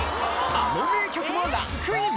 あの名曲もランクイン！